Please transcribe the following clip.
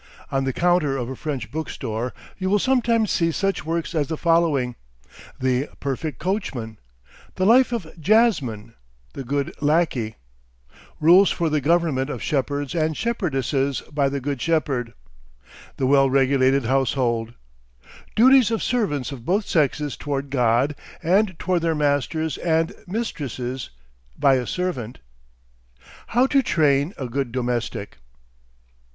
On the counter of a French bookstore you will sometimes see such works as the following: "The Perfect Coachman," "The Life of Jasmin, the Good Laquey," "Rules for the Government of Shepherds and Shepherdesses, by the Good Shepherd," "The Well Regulated Household," "Duties of Servants of both Sexes toward God and toward their Masters and Mistresses, by a Servant," "How to Train a Good Domestic."